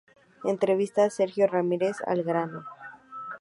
Entrevista a Sergio Ramírez"; "Al grano.